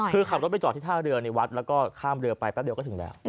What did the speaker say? คือขับรถไปจอดที่ท่าเรือในวัดแล้วก็ข้ามเรือไปแป๊บเดียวก็ถึงแล้ว